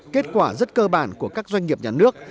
kết quả rất cơ bản của các doanh nghiệp nhà nước